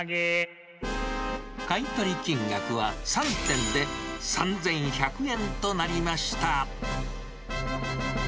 買い取り金額は３点で３１００円となりました。